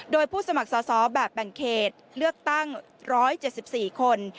โดยผู้สมัครสอบแบบแบ่งเขตเลือกตั้ง๑๗๔คน